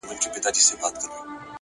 هوښیار انتخاب راتلونکی خوندي کوي,